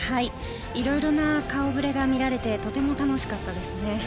色々な顔触れが見られてとても楽しかったですね。